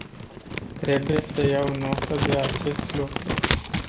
Trebuie să iau notă de acest lucru.